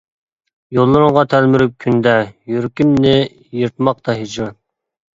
يوللىرىڭغا تەلمۈرۈپ كۈندە، يۈرىكىمنى يىرتماقتا ھىجران.